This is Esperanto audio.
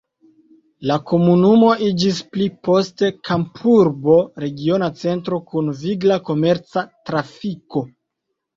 La komunumo iĝis pli poste kampurbo regiona centro kun vigla komerca trafiko.